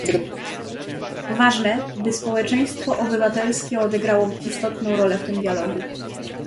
Ważne, by społeczeństwo obywatelskie odegrało istotną rolę w tym dialogu